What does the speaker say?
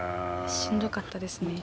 しんどかったですね。